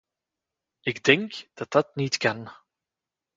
Ik denk dat dat niet kan.